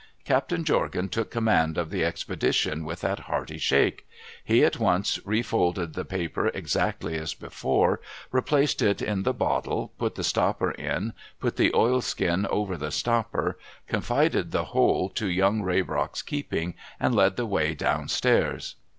Captain Jorgan took command of the expedition with that hearty shake. He at once refolded the paper exactly as before, replaced it in the bottle, put the stopper in, put the oilskin over the stopper, confided the whole to Young Raybrock's keeping, and led the way down stairs.